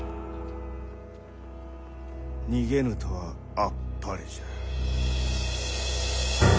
逃げぬとはあっぱれじゃ。